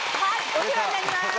お世話になります。